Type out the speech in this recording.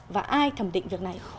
và ai thẩm định việc này